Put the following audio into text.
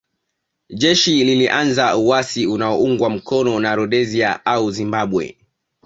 Jeshi lilianzisha uasi unaoungwa mkono na Rhodesia au Zimbabwe